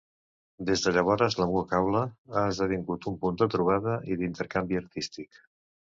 Des de llavores la Muga Caula ha esdevingut un punt de trobada i d'intercanvi artístic.